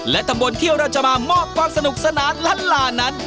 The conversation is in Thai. และตำบลเที่ยวราชมามอบความสนุกสนานล้านลานั้น